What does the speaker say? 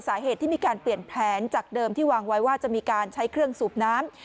สาเหตุที่มีการเปลี่ยนแผนจากเดิมที่วางไว้ว่าจะมีการใช้เครื่องสูบน้ำ